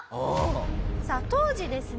さあ当時ですね